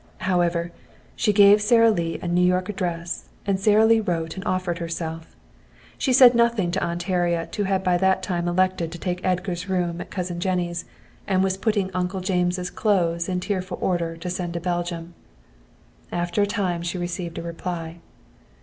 However, she gave Sara Lee a New York address, and Sara Lee wrote and offered herself. She said nothing to Aunt Harriet, who had by that time elected to take Edgar's room at Cousin Jennie's and was putting Uncle James' clothes in tearful order to send to Belgium. After a time she received a reply.